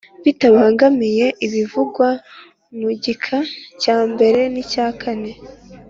Bitabangamiye ibivugwa mu gika cya mbere n icya kane